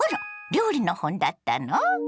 料理の本だったの？